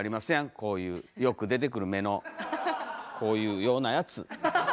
こういうよく出てくる目のこういうようなやつ。